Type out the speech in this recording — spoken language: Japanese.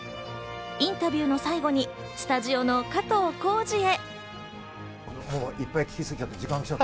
インタビューの最後にスタジオの加藤浩次へ。